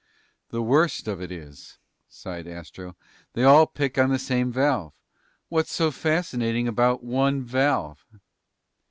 "The worst of it is," sighed Astro, "they all pick on the same valve. What's so fascinating about one valve?"